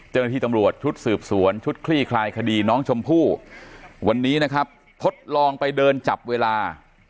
เจ้าหน้าที่ตำรวจชุดสืบสวนชุดคลี่คลายคดีน้องชมพู่วันนี้นะครับทดลองไปเดินจับเวลา